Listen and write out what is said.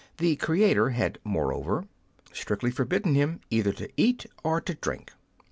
The Creator had, moreover, strictly forbidden him either to eat or to drink.